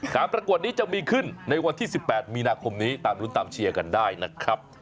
ประกวดนี้จะมีขึ้นในวันที่๑๘มีนาคมนี้ตามรุ้นตามเชียร์กันได้นะครับ